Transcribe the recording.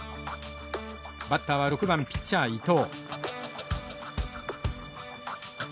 バッターは６番ピッチャー伊藤。